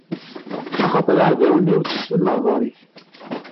Axaṭer iɛdawen-iw ttettun lehdur-ik.